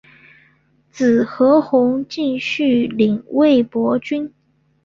子何弘敬续领魏博军。